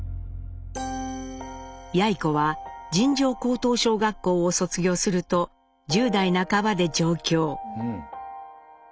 やい子は尋常高等小学校を卒業すると１０代半ばで上京。